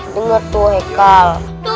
dengar tuh haikal